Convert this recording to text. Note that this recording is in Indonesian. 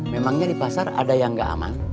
memangnya di pasar ada yang nggak aman